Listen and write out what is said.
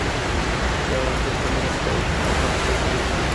ګاونډي ته مرسته وکړه، که هر څوک وي